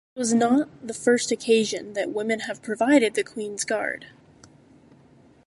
This was not the first occasion that women have provided the Queen's Guard.